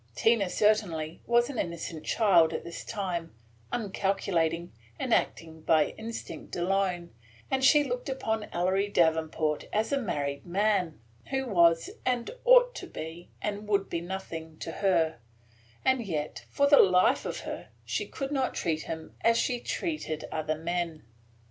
Tina certainly was an innocent child at this time, uncalculating, and acting by instinct alone, and she looked upon Ellery Davenport as a married man, who was and ought to be and would be nothing to her; and yet, for the life of her, she could not treat him as she treated other men.